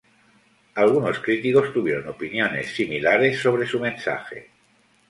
Algunos críticos tuvieron opiniones similares sobre su mensaje.